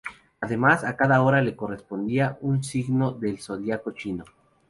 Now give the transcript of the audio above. Además, a cada hora le correspondía un signo del zodíaco chino.